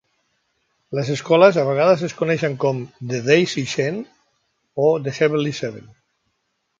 Les escoles a vegades es coneixen com "the Daisy Chain" o "The Heavenly Seven.